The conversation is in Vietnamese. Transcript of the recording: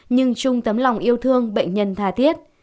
nhưng chung tấm lòng yêu thương bệnh nhân tha thiết